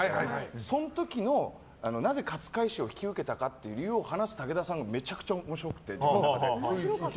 その時、なぜ勝海舟を引き受けたかという理由を話す武田さんがめちゃくちゃ面白くて。